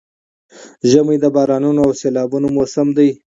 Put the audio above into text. ژمی د بارانونو او سيلابونو موسم دی؛